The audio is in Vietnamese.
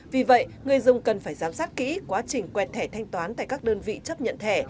vì vậy người dùng cần phải giám sát kỹ quá trình quẹt thẻ thanh toán tại các đơn vị chấp nhận thẻ